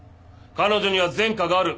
彼女には前科がある。